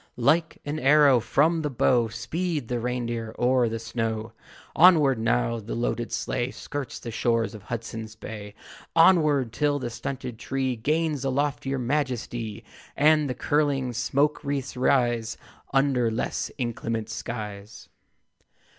Like an arrow from the bow Speed the reindeer o'er the snow. Onward! Now the loaded sleigh Skirts the shores of Hudson's Bay. Onward, till the stunted tree Gains a loftier majesty, And the curling smoke wreaths rise Under less inclement skies.